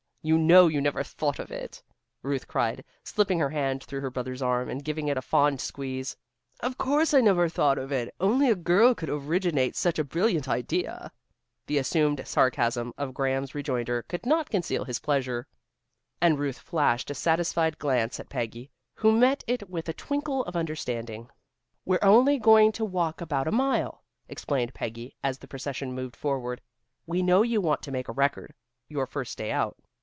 You know you never thought of it," Ruth cried, slipping her hand through her brother's arm, and giving it a fond squeeze. "Of course I never thought of it. Only a girl could originate such a brilliant idea." The assumed sarcasm of Graham's rejoinder could not conceal his pleasure, and Ruth flashed a satisfied glance at Peggy, who met it with a twinkle of understanding. "We're only going to walk about a mile," explained Peggy, as the procession moved forward. "We know you want to make a record, your first day out.